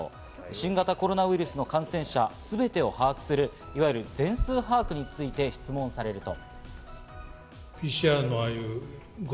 新型コロナウイルスの感染者、全てを把握する、いわゆる全数把握について質問されると。